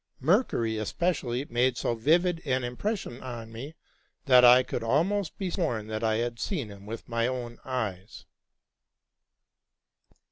Mer cury, especially, made so vivid an impression on me, that I could almost be sworn that I had seen him with my own eyes.